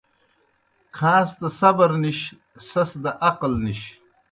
کھاݩس دہ صبر نِش، سیْس دہ عقل نِش